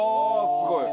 すごい。